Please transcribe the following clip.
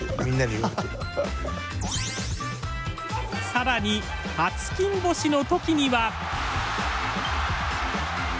更に初金星の時には。